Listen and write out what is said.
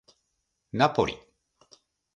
ナポリ